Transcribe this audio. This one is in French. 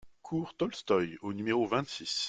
Cours Tolstoï au numéro vingt-six